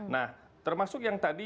nah termasuk yang tadi